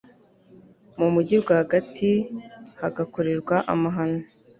mu mugi rwagati hagakorerwa amahano